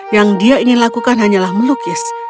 yang dia ingin lakukan hanyalah melukis